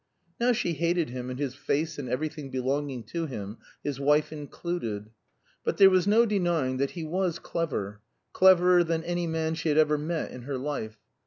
Now she hated him and his face and everything belonging to him, his wife included. But there was no denying that he was clever, cleverer than any man she had ever met in her life.